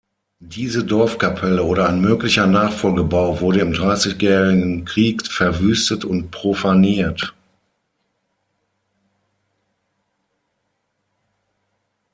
Diese Dorfkapelle oder ein möglicher Nachfolgebau wurde im Dreißigjährigen Krieg verwüstet und profaniert.